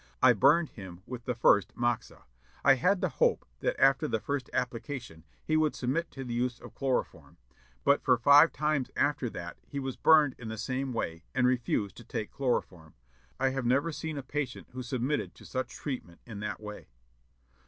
I burned him with the first moxa. I had the hope that after the first application he would submit to the use of chloroform; but for five times after that he was burned in the same way, and refused to take chloroform. I have never seen a patient who submitted to such treatment in that way."